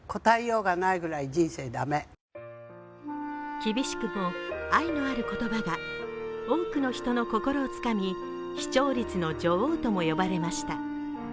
厳しくも愛のある言葉が多くの人の心をつかみ視聴率の女王とも呼ばれました。